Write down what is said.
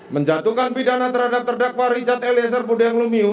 menjatuhkan pidana terhadap terdakwa richard eliezer budiang lumiu